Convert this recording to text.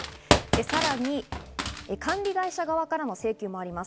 さらに管理会社側からの請求もあります。